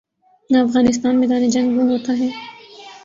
نہ افغانستان میدان جنگ وہ ہوتا ہے۔